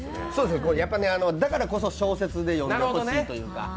だからこそ小説で読んでほしいというか。